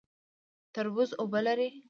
تربوز اوبه لري